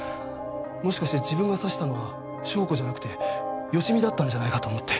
もしかして自分が刺したのは翔子じゃなくて芳美だったんじゃないかと思って。